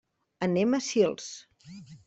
Anem a Sils.